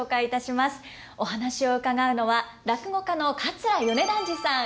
お話を伺うのは落語家の桂米團治さん